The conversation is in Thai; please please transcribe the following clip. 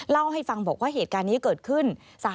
เล่าให้ฟังบอกว่าเหตุการณ์นี้เกิดขึ้น